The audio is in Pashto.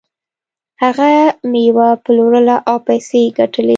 هغه میوه پلورله او پیسې یې ګټلې.